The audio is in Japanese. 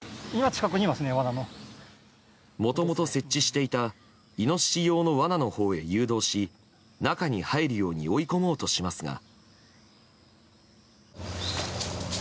もともと設置していたイノシシ用のわなのほうへ誘導し中に入るように追い込もうとしますが。